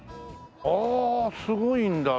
ああすごいんだ。